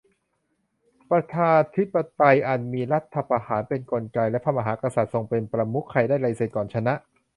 ประชาธิปไตยอันมีรัฐประหารเป็นกลไกและพระมหากษัตริย์ทรงเป็นประมุข ใครได้ลายเซ็นก่อนชนะ